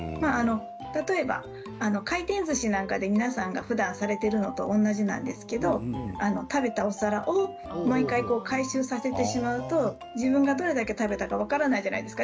例えば回転ずしなどで皆さんがふだんされているのと同じなんですけれど食べたお皿を毎回回収されてしまうと自分がどれだけ食べたか分からなくなるじゃないですか。